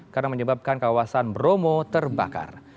karena menyebabkan kawasan bromo terbakar